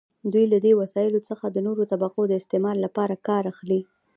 دوی له دې وسایلو څخه د نورو طبقو د استثمار لپاره کار اخلي.